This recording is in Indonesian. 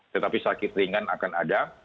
tetapi sakit ringan akan ada